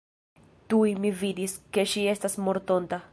Tuj mi vidis, ke ŝi estas mortonta.